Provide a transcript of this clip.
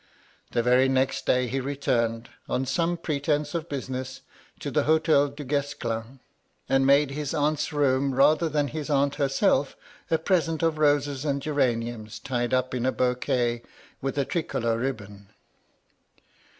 The very next day he retiumed — on some pretence of business — ^to the H6tel Duguesclin, and made his aunt's room, rather than his aunt herself a present of roses and geraniums tied up in a bouquet with a tricolor ribbon.